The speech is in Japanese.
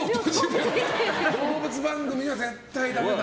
動物番組は絶対ダメだ。